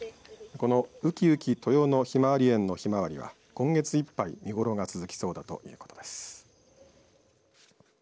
この、うきうき豊野ひまわり園のひまわりは今月いっぱい見頃が続きそうだということです。